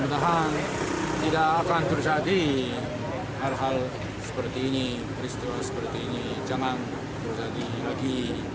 mudah mudahan tidak akan terjadi hal hal seperti ini peristiwa seperti ini jangan terjadi lagi